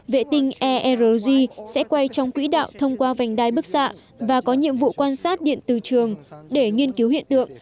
vệ tinh erog sẽ quay trong quỹ đạo thông qua vành đai bức xạ và có nhiệm vụ quan sát điện từ trường để nghiên cứu hiện tượng